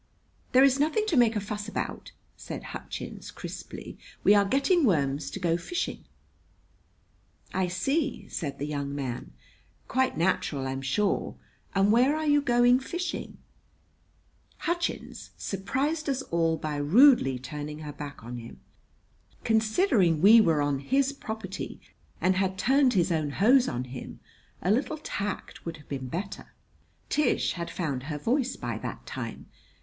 "There is nothing to make a fuss about!" said Hutchins crisply. "We are getting worms to go fishing." "I see," said the young man. "Quite natural, I'm sure. And where are you going fishing?" Hutchins surprised us all by rudely turning her back on him. Considering we were on his property and had turned his own hose on him, a little tact would have been better. Tish had found her voice by that time.